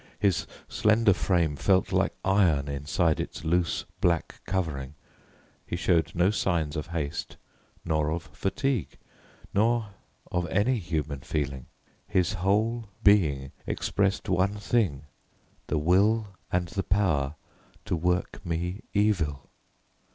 His slender frame felt like iron inside its loose black covering. He showed no signs of haste, nor of fatigue, nor of any human feeling. His whole being expressed one thing: the will, and the power to work me evil.